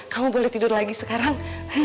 kamu boleh tidur lagi sekarang